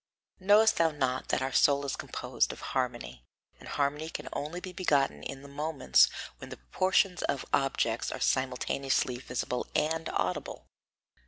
"Knowest thou not that our soul is composed of harmony, and harmony can only be begotten in the moments when the proportions of objects are simultaneously visible and audible?